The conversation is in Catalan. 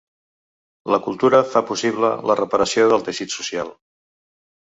La cultura fa possible la reparació del teixit social.